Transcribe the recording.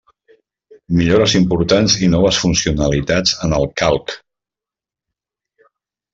Millores importants i noves funcionalitats en el Calc.